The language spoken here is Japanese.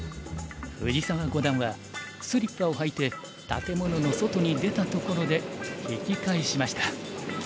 藤沢五段はスリッパを履いて建物の外に出たところで引き返しました。